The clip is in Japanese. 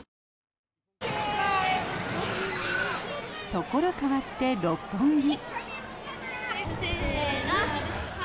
ところ変わって六本木。